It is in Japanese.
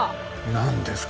何ですか？